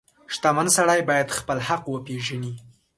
• شتمن سړی باید خپل حق وپیژني.